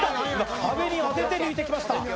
壁に当てて抜いてきました。